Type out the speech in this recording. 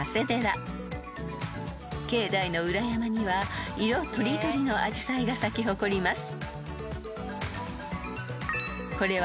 ［境内の裏山には色とりどりのアジサイが咲き誇ります］